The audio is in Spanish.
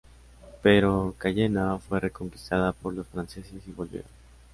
Pero Cayena fue reconquistada por los franceses y volvieron.